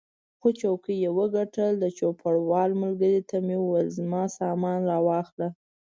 خو څوکۍ یې وګټل، د چوپړوال ملګري ته مې وویل زما سامان را واخله.